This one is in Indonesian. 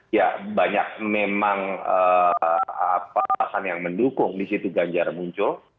ya banyak memang alasan yang mendukung di situ ganjar muncul